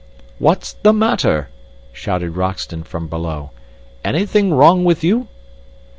"What's the matter?" shouted Roxton from below. "Anything wrong with you?"